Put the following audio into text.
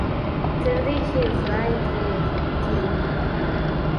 تر دې چې خدای ترې خفه کېږي.